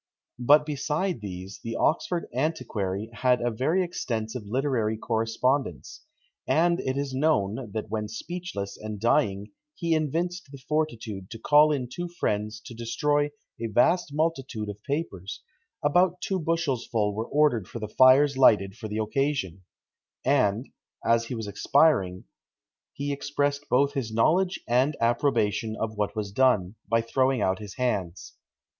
But beside these, the Oxford antiquary had a very extensive literary correspondence; and it is known, that when speechless and dying he evinced the fortitude to call in two friends to destroy a vast multitude of papers: about two bushels full were ordered for the fires lighted for the occasion; and, "as he was expiring, he expressed both his knowledge and approbation of what was done, by throwing out his hands."